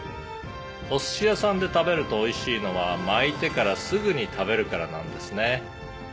「お寿司屋さんで食べるとおいしいのは巻いてからすぐに食べるからなんですね」